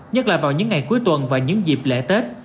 nhất là vào những ngày cuối tuần và những dịp lễ tết